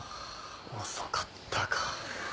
遅かったか。